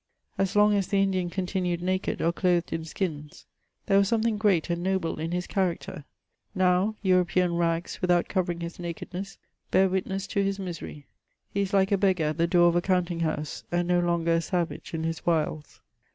As long as the Indian continued naked, or clothed in skins, ihere was something great and nohle in his character; now, Eu ropean rags, without covering his nakedness, hear witness to his misery ; he is like a heggar at tfie door of a counting house, and no longer a savage in his wilds.